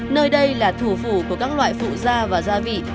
nơi đây là thủ phủ của các loại phụ da và gia vị